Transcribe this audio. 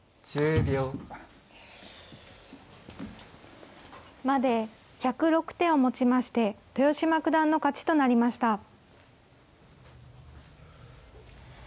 １０秒。まで１０６手をもちまして豊島九段の勝ちとなりました。